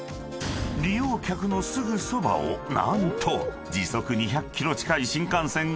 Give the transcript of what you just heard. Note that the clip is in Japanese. ［利用客のすぐそばを何と時速２００キロ近い新幹線が通過する恐れが］